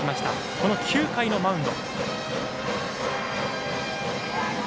この９回のマウンド。